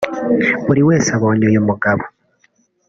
Buri wese ubonye uyu mugabo